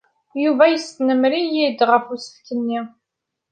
Yuba yesnemmer-iyi ɣef usefk-nni.